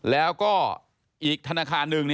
แล้วก็อีกธนาคารหนึ่ง